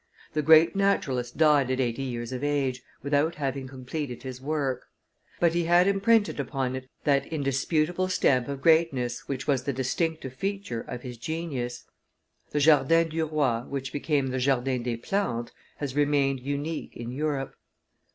The great naturalist died at eighty years of age, without having completed his work; but he had imprinted upon it that indisputable stamp of greatness which was the distinctive feature of his genius. The Jardin du Roi, which became the Jardin des Plantes, has remained unique in Europe.